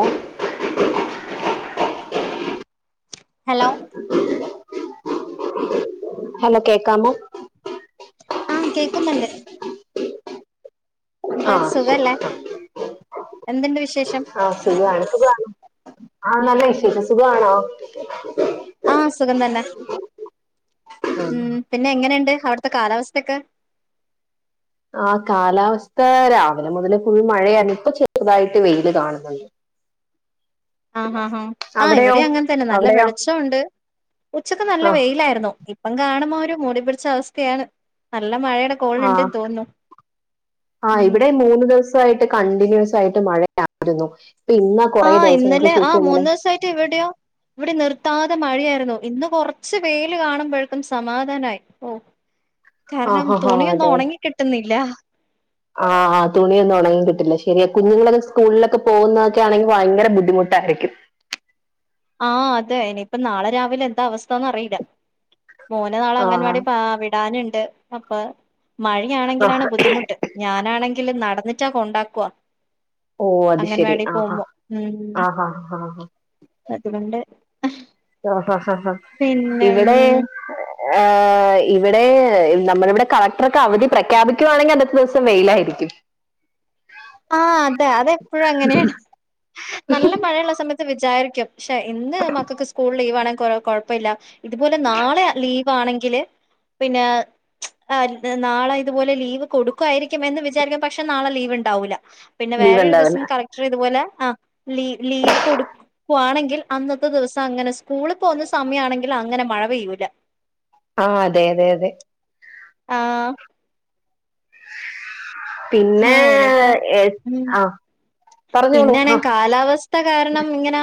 ഓ hello hello കേക്കാമോ ആഹ് കേക്കുന്നുണ്ട് എന്ത് ആ ശരി സുഖല്ലേ എന്തുണ്ട് വിശേഷം ആഹ സുഖമാണ് സുഖമാ [unintelligible] ണ് ആഹ നല്ല വിശേഷം സുഖമാണോ ആഹ് സുഖം തന്നെ ഉം പിന്നെ എങ്ങനെയുണ്ട് അവിടുത്തെ കാലാവസ്ഥൊക്കെ ആ കാലാവസ്ഥ രാവിലെ മുതൽ ഫുൾ മഴയാണ് ഇപ്പ ചെറുതായിട്ട് വെയില് കാണുന്നുണ്ട് [unintelligible] ആഹ് ആാ ഹാ ആഹ് അവിടെയോ ഇവിടെ അങ്ങനെ തന്നെ നല്ല അവിടെയോ വെളിച്ചംണ്ട് ഉച്ചക്ക് നല്ല ആ വെയിലായിരുന്നു ഇപ്പം കാണുമ്പോ ഒരു മൂടി പിടിച്ച അവസ്ഥയാണ് നല്ല മഴയുടെ കോളുണ്ട് ആഹ തോന്നുന്നു ആ ഉം ഇവിടെ മൂന്ന് ദിവസം ാ [unintelligible] യിട്ട് കണ്ടിന്യൂസ് ആയിട്ട് മഴായിരുന്നു പിന്ന ആഹ് ഇന്നലെ ആഹ മൂന്ന് ദിവസ ആയിട്ട് എവിടെയോ ഇവിടെ നിർത്താതെ മഴയായിരുന്നു ഇന്ന് കുറച്ച് വെയിൽ കാണുമ്പോഴേക്കും സമാധാനമായി ഓ ആ കാരണം ഹാ ഹാ തുണിയൊന്നും ഉണങ്ങി കിട്ടുന്നില്ല ആഹ് ആ് തുണിയൊന്നും ഉടങ്ങി കട്ടില്ല ശരിയ കുഞ്ഞുങ്ങളൊക്കെ സ്കൂളിലൊക്കെ പോകുന്നതക്കെ ആണെങ്കിൽ ഭയങ്കര ബുദ്ധിമുട്ടായിരിക്കും ആഹ് അതെ ഇനിയിപ്പ നാളെ രാവിലെ എന്താ അവസ്ഥന്നന്ന് അറിയില്ല മോന നാള ആ അംഗൻവാടി പാറി [unintelligible] ഇടാനുണ്ട് അപ്പൊ ആ, മഴയാണെങ്കിലാണ് ബുദ്ധിമുട്ട് ഞാനാണെങ്കിലും നടന്നിട്ടാ കൊണ്ടാക്കുവ ഓ അങ്ങൻവാടി പോവുമ്പോ ഉം അഹ് ഹാ ഹാ അതുകൊണ്ട് ആഹ ഹ ഹ പിന്നെ ഇവിടെ ആഹ ഉം [unintelligible] ഇവിടെ നമ്മള ഇവിടെ കളക്ടറ ഒക്കെ അവധി പ്രഖ്യാപിക്കുകവാണെങ്കിൽ അന്നത്തെ ദിവസം വെയിലായിരിക്കും [unintelligible] [inaudible] ആഹ അതെ അതെപ്പോഴും അങ്ങനെയാണ് നല്ല മഴയുള്ള സമയത്ത് വിചാരിക്കും പക്ഷെ ഇന്ന് മക്കൾക്ക് സ്കൂൾ ലീവ് ആണൻ കൊ കുഴപ്പമ ഇില്ല ഇതുപോലെ നാളെ ലീവ് ആണെങ്കില് പിന്നെ ആഹ് നാളെ ഇതുപോലെ ലീവ് കൊടുക്കുവായിരിക്കും എന്ന് വിചാരിക്കാം പക്ഷെ നാളെ ലീവ്ണ്ടാവൂല പിന്നെ ലീവ് വേറെ ഒരു ഉണ്ടാവില്ല ദിവസം കളക്ടർ ഇതുപോലെ ആഹ് ലീ ലീവ് കൊടുക്കും പുവാണെങ്കിൽ അന്നത്തെ ദിവസം അങ്ങനെ സ്കൂള് പോവ്ന്ന സമയാണെങ്കിൽ അങ്ങനെ മഴ പെയ്യൂല ആഹ് അതെ അതെ അതെ ആഹ് പിന്നെ ആഹ് ഇനിയിപ്പം ഏഹ് അഹ് പറഞ്ഞോളൂ ആഹ് കാലാവസ് ത്ത കാരണം ഇങ്ങനെ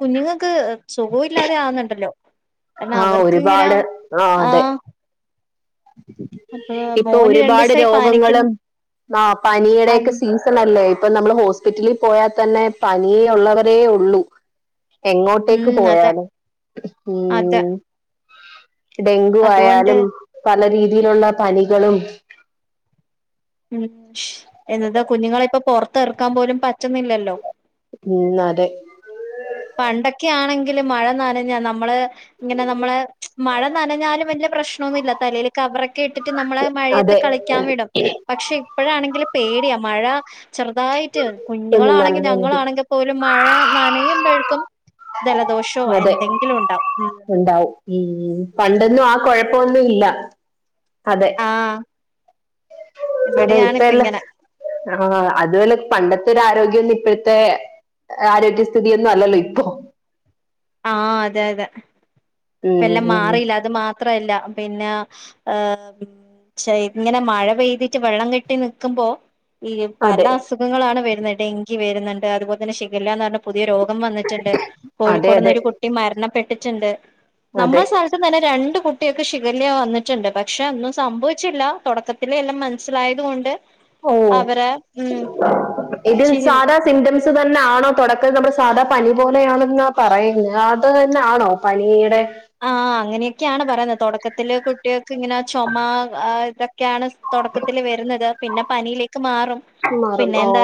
കുഞ്ഞുങ്ങക്ക് സുഖവില്ലാതെ ആവുന്നുണ്ടല്ലോ കാര്ണം ആഹ് അവർക്ക്ങ്ങനാ ഒരുപാട് അതെ ആഹ് ഇപ്പൊ മോന് രണ്ടു ഒരുപാട് ദിവസായി പനിക്കുന്നു രോഗങ്ങളും ആഹ് പനിയുടെക്കെ സീസ പ്പ നല്ലേ ഇപ്പൊ നമ്മള് ഹോസ്പിറ്റലിൽ പോയാതന്നെ പനിയേ ഉള്ളവരേ ഒള്ളൂ ഉം എങ്ങോട്ടേക്ക് അതെ പോയാലും അതെ ഉം ഡെങ്കു അതുകൊണ്ട് ആയാലും പല രീതിയിലുള്ള പനികളും ഉം എന്നതാ കുഞ്ഞുങ്ങളെ ഇപ്പൊ പുറത്തെറക്കാൻ പോലും പറ്റുന്നില്ലല്ലോ ഉം അതെ പണ്ടെക്കെ ആണെങ്കില് മഴ നനഞ്ഞാ നമ്മള് ഇങ്ങനെ നമ്മളെ മഴ നനഞ്ഞാലും വലിയ പ്രശ്നോന്നുല്ല തലേൽ കവറൊക്കെ ഇട്ട് റ്റ് നമ്മള് മഴയത്ത് അതെ കളിക്കാൻ വിടും പക്ഷെ ഇപ്പഴാണെങ്കിൽ പേടിയാ മഴ ചെറുതായിട്ട് ഇപ്പം നല്ല കുഞ്ഞുങ്ങളാണെങ്കി മതി ഞങ്ങളാണെങ്കിപോലും മഴ നനയുമ്പെഴ്ക്കും ദലദോഷോ അതെ എന്തെങ്കിലും ഉണ്ടാവും ഉമ് ഉണ്ടാവും ഉം പണ്ടൊന്നും ആ കൊഴപ്പൊന്നു ഇല്ല അതെ ആഹ് അതെ ഇവിടെയാണിപ്പ ഇപ്പെല്ല ഇങ്ങനെ ആഹ് അതുവല്ല പണ്ടത്തെ ഒരു ആരോഗ്യംല്ല ഇപ്പഴ്ത്തെ ആരോഗ്യസ്ഥിതിയൊന്നു അല്ലല്ലോ ഇപ്പൊ ആഹ് അതെ അതെ ഇപ്പ ഉം എല്ലാം ഉം മാറിയില അത് മാത്രല്ല പിന്നെ അഹ് പിൻ ചെ ഇങ്ങനെ മഴ പെയ്തിട്ട് വെള്ളം കെട്ടി നിക്കുമ്പോ ഈ പല അതെ അസു ഞ്ഞുങ്ങളാണ് വരുന്നത് ഡെങ്കി വര്ന്ന്ണ്ട് അതുപോലൽതന്നെ ഷിഗല്ല ന്നർഞ്ഞ പുതിയ രോഗം വന്നിട്ട്ണ്ട് അതെ അതെ കൊട്ന്നൊരു കുട്ടി മരണപ്പെട്ടിട്ട്ണ്ട് അതെ നമ്മള സ്ഥൽ ത്തു തന്നെ രണ്ട് കുട്ട്യേക്ക് ഷിഗല്ല വന്നിട്ട്ണ്ട് പക്ഷെ ഒന്നും സംഭവിച്ചില്ല തൊടക്ക പിന്നെ എല്ലാം മനസ്സിലായത് കൊണ്ട് ഓ അവരെ ഉമ് ഇത് ഷിഗ സാധാ സിംറ്റംസ് തന്നെ ആണോ തൊടക്കം നമ്മുടെ സാധാ പനി പോലെയാണെന്നപറയുന്ന അത് താന്നെണോ പനിയുടെ ആഹ് അങ്ങനെയൊക്കെയാണ് പറയുന്നത് തൊടക്കത്തില് കുട്ട്യേക്ക് ഇങ്ങനെ ചൊമ ആഹ് ഇതൊക്കെയാണ് തൊടക്കത്തില് വരുന്നത് പിന്നെ പനിയിലേക്ക് മാറും മാറും പിന്നെ ഓ എന്താ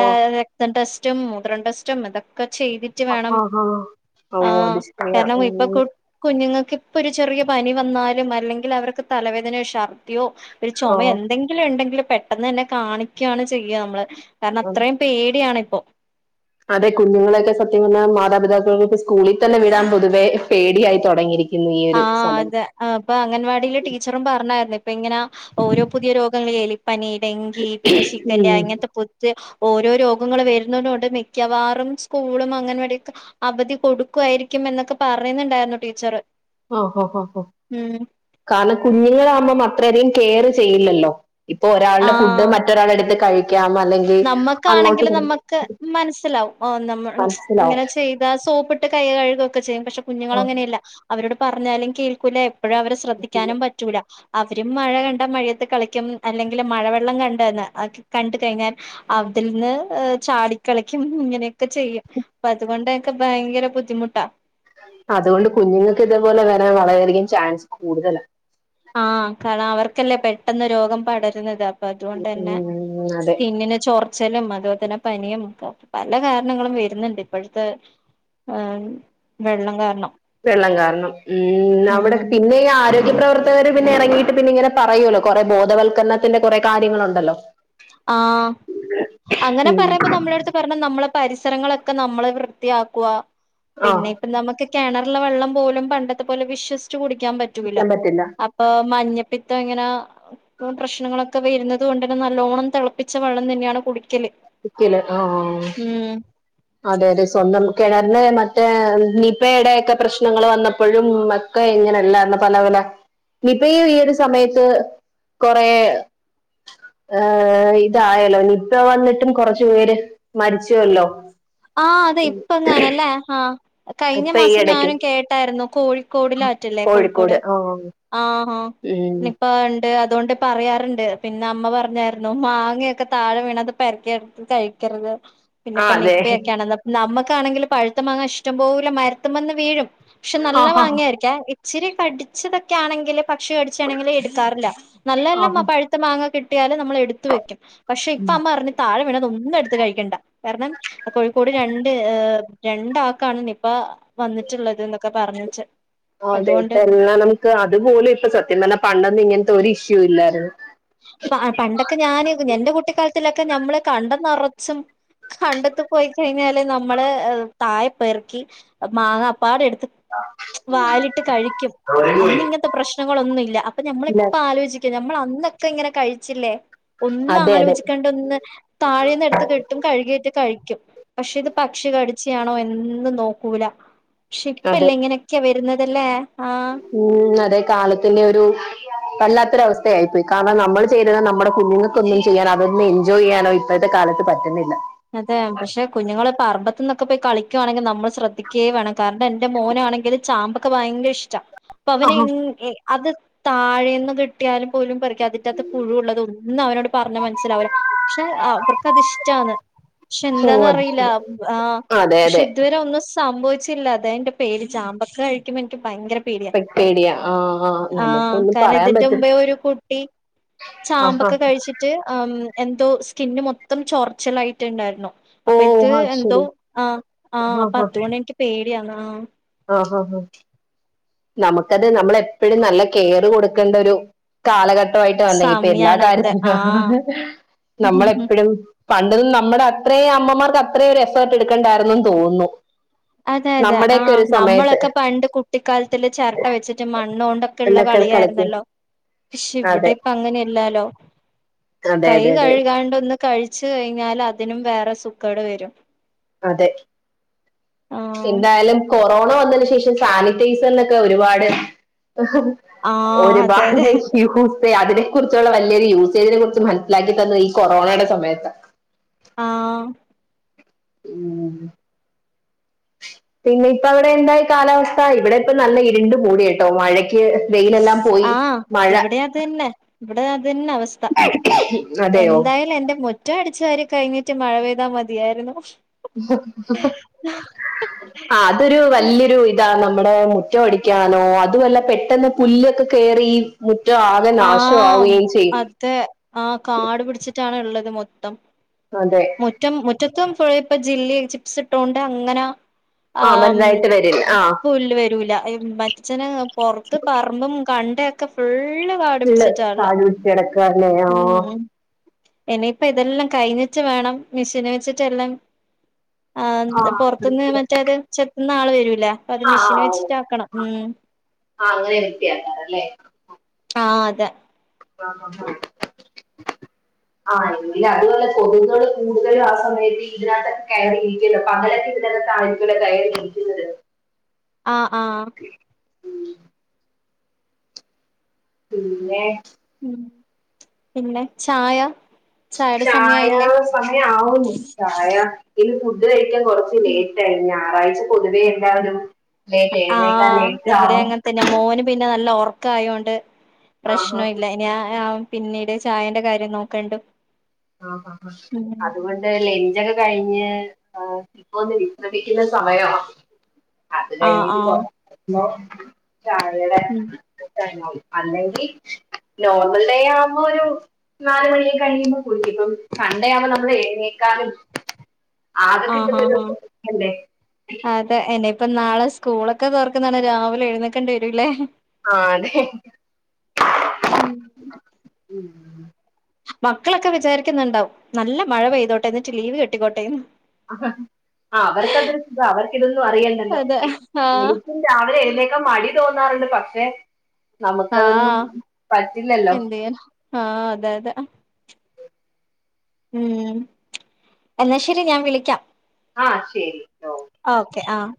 ക്തം ടെസ്റ്റും മുത്രം ടെസ്റ്റും ഇതൊക്കെ ചെയ്തി റ്റ് വേണം ആ ആ ഓ ആഹ് അത് ശരിയാ കാരണം ഇപ്പൊ ഉം കു കുഞ്ഞുങ്ങക്ക് ഇപ്പൊ ഒരു ചെറിയ പനി വന്നാലും അല്ലെങ്കിൽ അവർക്ക് തലവേദനയോ ശർദ്ദിയോ പിന്നെ ചൊമെ എന്തെങ്കില്ണ്ടെങ്കില് പെട്ടെന്ന് തന്നെ കാണിക്കാണ് ചെയ്യ മ്മള് കാര്ണം ഓ അത്രയും പേടിയാണിപ്പോ അതെ കുഞ്ഞുങ്ങളൊക്കെ സത്യം പറഞ്ഞ മാതാപിതാക്കൾക്ക് സ്കൂളിൽ തന്നെ വിടാൻ പൊതുവേ പേടിയായി തൊടങ്ങിയിരി ആഹ് അതെ അപ്പൊ അംഗൻവാടിയിലെ ടീച്ചറും പറഞ്ഞായിരുന്നു ഇപ്പ ഇങ്ങനെ ഓരോ പുതിയ രോഗങ്ങ [unintelligible] എലി പനി, ഡങ്കി പിന്നെ ശിഗല്ല ഉം ഇങ്ങൻത്തെ [unintelligible] ഓരോ രോഗങ്ങൾ വരുന്നത് കൊണ്ട് മിക്കവാറും സ്കൂളും അംഗൻവാടിയൊക്കെ അവധി കൊടുക്കുവായിരിക്കും എന്നൊക്കെ പറയ്ന്ന്ണ്ടായിരുന്നു ടീച്ചറ് ആഹ് ഹോ ഹോ ഹൊ ഉമ് കാര്ണം കുഞ്ഞുങ്ങളാവുമ്പം അത്രയധികം കെയറ് ചെയ്യില്ലല്ലോ ഇപ്പൊ ഒരാളുടെ ഫുഡ്ഡ് മ ത്ത്റ ആളെട്ത്ത് കഴി ഞാന് വന്നെങ്കി നമ്മക്കാണെങ്കില് നമ്മക്ക് മനസ്സിലാവും നമ്മ മനസ്സിലാവും ഇങ്ങനെ ചെയ്താ സോപ്പി കൈ കഴുകൊക്കെ ചെയ്യും. പക്ഷെ ആ, കുഞ്ഞുങ്ങളങ്ങനെയല്ല അവരോട് പറഞ്ഞാലും കേൾക്കൂല്ല എപ്പോഴാ അവരെ ശ്രദ്ധിക്കാനും പ റ്റൂല അവരും മഴ കണ്ട മഴയത്ത് കളിക്കും അല്ലെങ്കിൽ മഴവെള്ളം കണ്ടന്ന് അത് കണ്ട് കഴിഞ്ഞാൽ. അത്ൽന്ന് ചാടിക്കളിക്കും ഇങ്ങനെക്കെ ചെയ്യും. പ്പ അതുകൊണ്ടൊക്കെ ഭയങ്കര ബുദ്ധിമുട്ടാ. അതുകൊണ്ട് കുഞ്ഞുങ്ങൾക്ക് ഇതേപോലെ വരാൻ വളരെയധികം ചാൻസ് കൂടുതലാണ് ആഹ് കാരണം അവർക്കല്ലേ പെട്ടെന്ന് രോഗം പടരുന്നത്. പ്പ അതുകൊണ്ട് തന്നെ ഉം, അതെ സ്കിന്നിന് ചോർ ചെലേ അതുപോലെ തന്നെ പനിയും പല കാരണങ്ങളും വരുന്നുണ്ട്. ഇപ്പോഴത്തെ ആഹ് വെള്ളം കാരണം. വെള്ളം കാരണം ഉം അവടെ പിന്നേ ആരോഗ്യ പ്രവർത്തകര് പിന്നെ ഇറങ്ങീട്ട് പിന്നെങ്ങനെ പറയോല്ലോ കൊറെ ബോധവത്ക്കരണത്തിന്റെ കൊറെ കാര്യങ്ങളുണ്ടല്ലോ. ആഹ് അങ്ങനെ ഉം. പറയുമ്പോ നമ്മുളെട്ത്ത് പറഞ്ഞ നമ്മളെ പരിസരങ്ങളൊക്കെ നമ്മള് വൃത്തിയാക്കുക. ആ പിന്നെ ഇപ്പ നമുക്ക് കിണറ് ലെ വെള്ളം പോലും പണ്ടത്തെ പോലെ വിശ്വസിച്ച് കുടിക്കാൻ പറ്റൂല വിക്കാൻ പറ്റില്ല പ്പൊ മഞ്ഞപ്പിത്തം ഇങ്ങനെ പ്രശ്നങ്ങളൊക്കെ വരുന്നത് കൊണ്ട് തന്നെ നല്ലോണം. തെളപ്പിച്ച വെള്ളം തന്നെയാണ് കുടിക്കല്. [unintelligible] ക്കല് ആഹ്. ഉം അതെ അതെ സ്വന്തം കേിണറിന്റെ മറ്റേ നിപയുടെയൊക്കെ പ്രശ്നങ്ങള് വന്നപ്പോഴും മ ക്കെ ഇങ്ങനെല്ലാരന്നോ പല പല ഇപ്പെ ഈ ഒരു സമയത്ത് കൊറേ ആയ് ഇതായാല്ലോ നിപ്പ വന്നിട്ടും കൊറച്ചു പേര് മരിച്ചുവല്ലോ. ആഹ് അതെ ഇപ്പങ്ങാനല്ലേ ആഹ്. കഴിഞ്ഞ ഇപ്പൊ ഈ മാസം ഇടയ്ക്കും ഞാനും കേട്ടായിരുന്നു. കോഴിക്കോടിലാറ്റല്ലേ കോഴിക്കോട്? ആഹ് ഉം നിപ്പ ണ്ട് അതോണ്ട് പറയാറുണ്ട് പിന്നെ അമ്മ പറഞ്ഞായിരുന്നു മാങ്ങയൊക്കെ താഴെ വീണത് പെർക്കി കഴിക്കരുത് ആഹ് പിന്നെപ്പന്നെ അതെ നിപ്പയെക്കെയാണ് നമ്മക്കാണെങ്കിൽ പഴുത്തമാങ്ങ ഇഷ്ടം പോലെ മരത്ത്മന്ന് വീഴും. പക്ഷെ നല്ല ആഹ് മാങ്ങായിരിക്കേ ഇച്ചിരി കട്ച്ചതൊക്കെ ആണെങ്കില് പക്ഷി കടിച്ചാണെങ്കിലിൽ എടുക്കാറില്ല നല്ലെല്ലാം ആ ആഹ് പഴുത്ത മാങ്ങ കിട്ടിയാലും നമ്മള് എടുത്ത് വെക്കും പക്ഷെ ഇപ്പ അമ്മ ർഞ്ഞ് താഴെ വീണത് ഒന്നും എടുത്ത് കഴിക്കണ്ട കാരണം. കോഴിക്കോട് രണ്ട് രണ്ടാൾക്കാണ് നിപ്പാ വന്നിട്ടുള്ളത് ന്നൊക്കെ പറഞ്ഞിച്ച്. അതെ തൊറന്ന നമുക്ക് അതുപോലും ഇപ്പം സത്യം പറഞ്ഞ പണ്ടൊന്നും ഇങ്ങനത്തെ ഒരു ഇഷ്യൂ ഇല്ലായിരുന്നു ആ പണ്ടൊക്കെ ഞാന് എന്റെ കുട്ടിക്കാലത്തിലൊക്കെ ഞമ്മള് കണ്ടം നറച്ചും. കണ്ടത്ത് പോയി കഴിഞ്ഞാല് നമ്മള് താഴെ പെർക്കി മാങ്ങപ്പാടെ എടുത്ത് വായിലിട്ട് കഴിക്കും അന്നിങ്ങൻത്തെ പ്രശ്നങ്ങളൊന്നുല്ല അപ്പൊ ഞമ്മള് ഇല്ല ഇപ്പ ആലോചിക്കും. നമ്മള് അന്നൊക്കെ ഇങ്ങനെ കഴിച്ചില്ലേ ഒന്നും അതെ അതെ ആലോചിക്കാ ഒന്ന് താഴേന്ന് എടുത്ത് കിട്ടും കഴുകിയിട്ട് കഴിക്കും. പക്ഷെ ഇത് പക്ഷി കടിച്ചാണോ എന്നും നോക്കൂല. അതെ ഷിപ്പ്ല്ലേ ഇങ്ങനെയൊക്കെയാ വരുന്നതല്ലേ ആഹ് ഉം അതെ കാലത്തന്നെ ഒരു വല്ലാത്തൊരവസ്ഥയായി പോയി കാരണം നമ്മൾ ചെയ്തിരുന്ന നമ്മുടെ കുഞ്ഞുങ്ങൾക്കൊന്നും ചെയ്യാൻ അതൊന്ന് എൻജോയ് ചെയ്യാനോ ഇപ്പോഴത്തെ കാലത്ത് പറ്റ്ന്നില്ല. അതെ പക്ഷെ കുഞ്ഞുങ്ങള് പറമ്പത്ത് നിന്നൊക്കെ പോയി കളിക്കുയാണെങ്കിൽ നമ്മള് ശ്രദ്ധിക്കേ വേണം കാരണം എൻ്റെ മോനാണെങ്കില് ചാമ്പക്ക ഭയങ്കര ഇഷ്ടാ അപ്പൊ അവന് ആഹാ ങ്ങ് അത് താഴേന്ന് കിട്ടിയാലും പോലും പറിക്കാതിറ്റാത്ത് പുഴുള്ളത് ഒന്നും അവനോട് പറഞ്ഞാ മനസ്സിലാവുല. പക്ഷെ അവർക്കത്ഷ്ടാണ് പക്ഷെ ഓ അത് എന്താന്നറിയില്ല ശരി ആ അതെ പക്ഷെ അതെ ഇതുവരെ ഒന്നും സംഭവിച്ചില്ല അതാ എന്റെ പേടി ചാമ്പക്ക കഴിക്കുമ്പോ ഇന്ക്ക് ഭയങ്കര പേടിയാ പെ- പേടിയാ ആ ആ ആഹ് നമുക്കൊന്നും കാരണം പറയാൻ ഇതിന്റെ പറ്റും മുമ്പേ ഒരു കുട്ടി ആഹാ ചാമ്പക്ക കഴിച്ചിട്ട് എന്തോ സ്കിന്ന് മൊത്തം ചോറിച്ചിലായിട്ടുണ്ടായിരുന്നു. ഓ അപ്പ ഇത് അത് എന്തോ ശരി ആഹ് ആഹ് അപ്പൊ അതുകൊണ്ട് എനിക്ക് പേടിയാന്ന് ആഹ് ആഹ് ആഹ് ആഹ്. നമുക്കത് നമ്മൾ എപ്പോഴും നല്ല കെയർ കൊടുക്കേണ്ട ഒരു കാലഘട്ടമായിട്ട് വന്നെങ്കി ഇപ്പൊ എല്ലാ സമയാണത് കാര്യത്തിനും ആഹ് നമ്മളെപ്പഴും പണ്ടൊന്നും നമ്മടെ അത്രേം അമ്മമാർക്ക് അത്രേം ഒരു എഫേർട്ട് എടുക്കേണ്ടായിരുന്നൂന്ന് തോന്ന്ണു. അതെ അതെ ആഹ് നമ്മളൊക്കെ പണ്ട് കു കുട്ടിക്കാലത്തിൽ ചിരട്ട വെച്ചിട്ട് മണ്ണോണ്ടൊക്കെ ഉള്ള എന്നൊക്കെ കളിക്കും കളിയായിരുന്നല്ലോ. പക്ഷെ ഇവിടെ അതെ ഇപ്പ അങ്ങനെ അല്ലാലോ അതെ കൈ അതെ അതെ കഴുകാണ്ട് ഒന്ന് കഴിച്ച് കഴിഞ്ഞാൽ അതിനും വേറെ സൂക്കേട് വരും. അതെ ആഹ് എന്തായാലും കൊറോണ വന്നേന് ശേഷം സാനി ഡീസലിനോക്കെ ഒരുപാട് ഹ് ഹ് ആഹ് അതെ ഒരുപാട് അതെ ഹ് യൂസ് അതിനെ കുറിച്ചുള്ള വലിയൊരു യൂസേജിനെ കുറിച്ച് മനസ്സിലാക്കി തന്നത് ഈ കൊറോണയുടെ സമയത്താ. ആഹ്. [unintelligible] പിന്നെ ഇപ്പ അവിടെ എന്തായി കാലാവസ്ഥ ഇവിടെ ഇപ്പ നല്ല ഇരുണ്ട് മൂടിയേട്ടോ മഴ ക്ക്‌ വെയിലെല്ലാം പോയി മഴ ത്തന്നെ ഇവിടെ അത് തന്ന അവസ്ഥ അതെയോ എന്തായാലും എന്റെ മൊ മുറ്റം അടിച്ചവാരിക്കഴിഞ്ഞിട്ട് മഴ പെയ്താൽ മതിയായിരുന്നു [unintelligible] ആഹ് അതൊരു വല്യോരു ഇതാ നമ്മടെ മുറ്റം അടിക്കാനോ അതുവല്ല പെട്ടെന്ന് പുല്ലൊക്കെ കേറി മുറ്റം ആകെ ആഹ് നാശമാവുകയും ചെയ്യും [unintelligible] ആഹ് കാടു പിടിച്ചിട്ടാണ് ഇള്ളത് മൊത്തം. അതെ മുറ്റം മുറ്റത്തും ഫുള്ള് ഇപ്പ ജില്ലി ചിപ്സ്ട്ടോണ്ട് അങ്ങന ആഹ് ആം ബലുതായ്ട്ട് വരും. പുല്ല് വരൂല മരച്ചന് പുറത്ത് പറമ്പും കണ്ടൊക്കെ ഫുൾ കാട് പുല്ല് പിടിച്ചിട്ടായുള്ളേ താഴെ വിട്ട് കിടക്കുക അല്ലേ ഉം ഇനിയിപ്പ ഇതെല്ലാം കഴിഞ്ഞിട്ട് വേണം മിഷെന് വെച്ചിട്ട് എല്ലാം ആ ആഹ് പൊറത്തുന്ന് മറ്റേത് ചെത്തുന്ന ആള് വരൂല അപ്പ അത് മിഷേന് വെച്ചിട്ട് ആക്കണം ഉം ആഹ് അങ്ങനെ വൃത്തി ആക്കാറ് അല്ലേ? ആഹ് അതെ [unintelligible] [inaudible] ആഹ് എങ്കിലും അതുവല്ല കൊതുകള് കൂടുതലും ആ സമയത്ത് ഇതിനകത്ത് കയറിയിരിക്കല്ലോ പകലൊക്കെ ഇതിനകത്തു ആണ് [unintelligible] കയറി ഇരിക്കുന്നത് ആഹ് ആഹ്. പിന്നെ മ്ഹ് പിന്നെ ചായ ചായയുടെ ചായ സമയായില്ലേ സമയം ആവുംന്നു ട്ട പ്രായ ഇനി ഫുഡ് കഴിക്കാൻ കൊറച്ച് ലേറ്റ ആയി ഞായറാഴ്ച പൊതുവേ എണ്ടാവാലും [unintelligible] ആഹ് ഇവിടെ അങ്ങനെ തന്നെ മോനും പിന്നെ നല്ല ഒറക്കായൊണ്ട് ആഹാ പ്രശ്നം ഇല്ല [unintelligible] പിന്നേട് ചായേന്റെ കാര്യം നോക്കാണ്ട് ആഹ് ആഹ് ആഹ് അതുകൊണ്ട് ലെഞ്ചൊക്കെ കഴിഞ്ഞ് ഇപ്പോ ഒന്ന് വിശ്രമിക്കുന്ന സമയവാ അത് ആഹ് കഴിഞ്ഞിട്ട് ആഹ് [unintelligible] ഉം [unintelligible] അല്ലെങ്കിൽ നോർമൽ ഡേ ആവുമ്പോ ഒരു നാലു മണിയൊക്ക കഴിയുമ്പ കുളിക്കിപ്പം സൺഡേയാവുമ്പ നമ്മള് എഴുന്നേക്കാനും ആഹ് ഹാ ഹാ [unintelligible] അതെ ഇനി ഇപ്പം നാളെ സ്കൂളൊക്കെ തൊർക്കുന്നതാണ് രാവിലെ എഴുന്നക്കേണ്ടി വരൂല്ലേ? ആ അതെ ഉം ഉ മക്കളൊക്കെ വിചാരിക്കുന്നുണ്ടാവും നല്ല മഴ പെയ്തോട്ട എന്നിട്ട് ലീവ് കെട്ടിക്കോട്ടെ ആ അവർക്കതൊരു സുഖ അവർക്കിതൊന്നും അറിയണ്ടല്ലോ. അതെ ആഹ് എനിക്കും രാവിലെ എഴുന്നേൽക്കാ മടി തോന്നാറുണ്ട് പക്ഷെ നമുക്കതൊന്നും ആഹ് പറ്റില്ലല്ലോ. എന്തെയ്യാനാ ആഹ് അതെ അതെ ഉം എന്നാ ശരി ഞാൻ വിളിക്കാം ആ ശരി ഓ ഓക്കെ ആഹ്